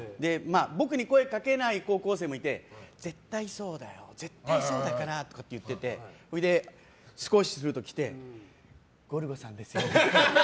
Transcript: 僕に声掛けない高校生もいて絶対そうだよ絶対そうだからって言ってて、少しすると来てゴルゴさんですよね？って。